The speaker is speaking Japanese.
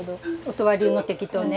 音羽流の適当ね。